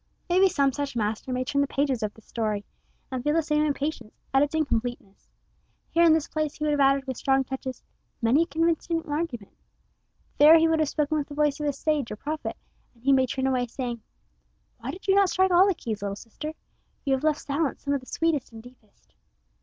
Maybe some such master may turn the pages of this story, and feel the same impatience at its incompleteness. Here in this place he would have added, with strong touches, many a convincing argument. There he would have spoken with the voice of a sage or prophet, and he may turn away, saying: "Why did you not strike all the keys, little sister? You have left silent some of the sweetest and deepest."